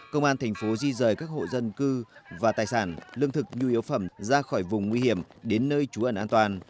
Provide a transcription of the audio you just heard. công an thành phố di rời các hộ dân cư và tài sản lương thực nhu yếu phẩm ra khỏi vùng nguy hiểm đến nơi trú ẩn an toàn